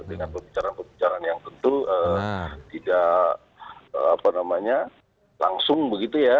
dengan pembicaraan pembicaraan yang tentu tidak langsung begitu ya